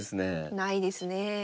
ないですね。